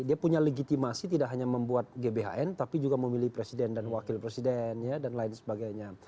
dia punya legitimasi tidak hanya membuat gbhn tapi juga memilih presiden dan wakil presiden dan lain sebagainya